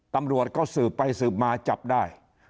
ตำรวจก็สืบไปสืบมาจับได้